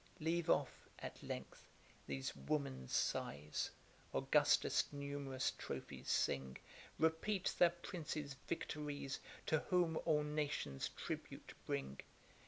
Leave off, at length, these woman's sighs, Augustus' numerous trophies sing; Repeat that prince's victories, To whom all nations tribute bring.